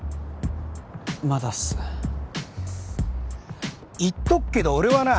まだっす言っとくけど俺はな